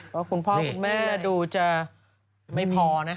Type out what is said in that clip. ก็คุณพ่อคุณแม่ดูจะไม่พอนะ